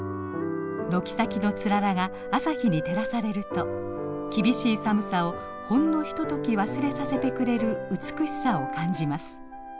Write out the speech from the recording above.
軒先のつららが朝日に照らされると厳しい寒さをほんのひととき忘れさせてくれる美しさを感じます。